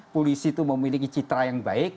polisi itu memiliki citra yang baik